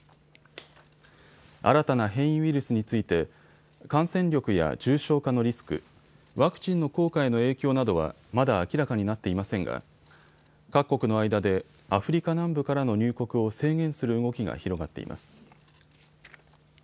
新たな変異ウイルスについて感染力や重症化のリスク、ワクチンの効果への影響などはまだ明らかになっていませんが各国の間でアフリカ南部からの入国を制限する動きが広がっています。